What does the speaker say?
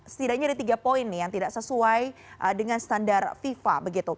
setidaknya ada tiga poin yang tidak sesuai dengan standar fifa